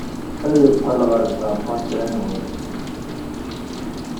Ad yeqqel ɣer Japun kra n wass.